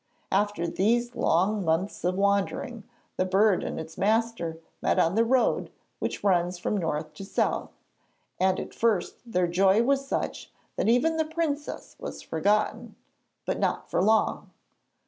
After these long months of wandering the bird and its master met on the road which runs from north to south, and at first their joy was such that even the princess was forgotten. But not for long.